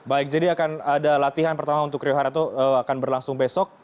baik jadi akan ada latihan pertama untuk rio harato akan berlangsung besok